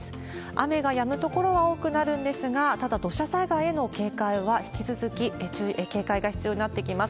雨がやむ所は多くなるんですが、ただ、土砂災害への警戒は引き続き、警戒が必要になってきます。